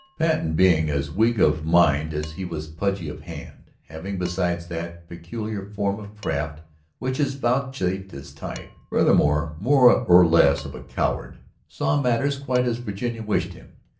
Patten, being as weak of mind as he was pudgy of hand, having besides that peculiar form of craft which is vouchsafed his type, furthermore more or less of a coward, saw matters quite as Virginia wished him.